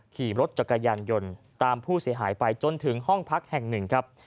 ขี่รถจักรยานยนต์ตามผู้เสียหายไปจนถึงห้องพักแห่งหนึ่งครับ